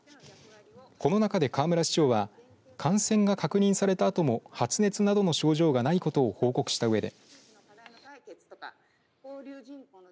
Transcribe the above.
この中で河村市長は感染が確認されたあとも発熱などの症状がないことを報告したうえで。